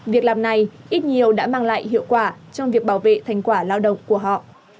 việc làm này ít nhiều đã mang lại hiệu quả trong việc bảo vệ thành quả lao động của họ